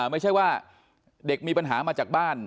ไม่ใช่ว่าเด็กมีปัญหามาจากบ้าน